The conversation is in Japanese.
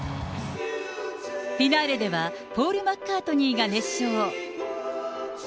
フィナーレではポール・マッカートニーが熱唱。